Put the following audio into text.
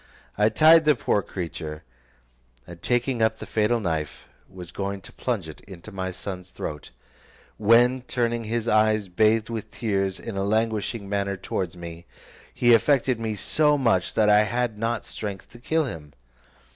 I tied the poor creature, and taking up the fatal knife, was going to plunge it into my son's throat, when turning his eyes bathed with tears, in a languishing manner, towards me, he affected me so much that I had not strength to kill him.